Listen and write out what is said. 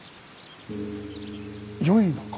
よいのか？